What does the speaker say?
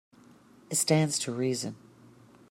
It stands to reason.